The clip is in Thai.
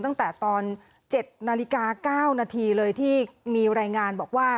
ตั้งแต่ตอน๗นาฬิกา๙นาทีเลยที่มีรายงานบอกว่า